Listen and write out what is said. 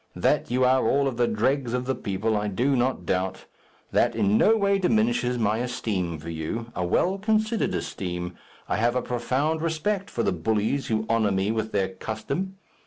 That you are all of the dregs of the people, I do not doubt. That in no way diminishes my esteem for you. A well considered esteem. I have a profound respect for the bullies who honour me with their custom.